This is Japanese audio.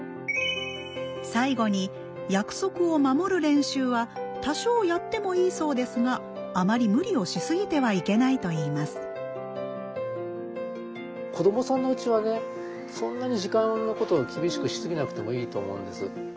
最後に約束を守る練習は多少やってもいいそうですがあまり無理をしすぎてはいけないといいます子どもさんのうちはねそんなに時間のことを厳しくしすぎなくてもいいと思うんです。